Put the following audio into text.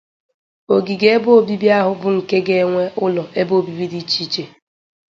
ogige ebe obibi ahụ bụ nke ga-enwe ụlọ ebe obibi dị iche iche